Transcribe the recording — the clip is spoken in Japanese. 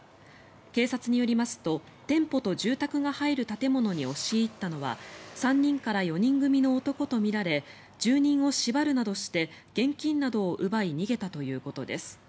警察によりますと店舗と住宅が入る建物に押し入ったのは３人から４人組の男とみられ住人を縛るなどして現金などを奪い逃げたということです。